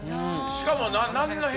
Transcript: しかも。